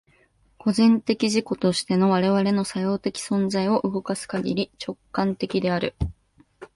個人的自己としての我々の作用的存在を動かすかぎり、直観的である。